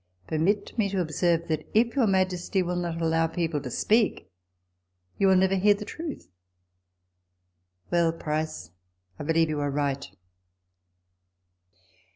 " Permit me to observe, that if your majesty will not allow people to speak, you will never hear the truth." " Well, Price, I believe you are right."